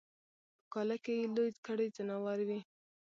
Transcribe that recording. په کاله کی یې لوی کړي ځناور وي